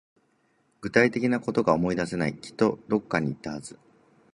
具体的なことが思い出せない。きっとどこかに行ったはず。